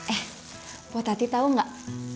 eh pok tadi tau nggak